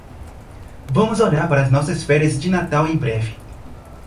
Vamos olhar para as nossas férias de Natal em breve.